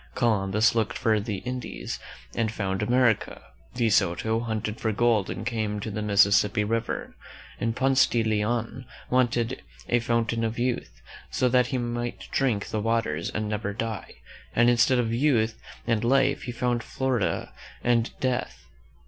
Columbus looked for the Indies and found America; De Soto hunted for gold and came to the Mississippi River, and Ponce de Leon wanted a fountain of youth, so that he might ^■S^ (0^ S^iSi 1^ kjtS. drink the waters and never die, and instead of youth and life he found Florida and death.